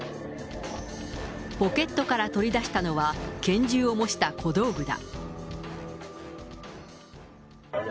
ポケットから取り出したのは拳銃を模した小道具だ。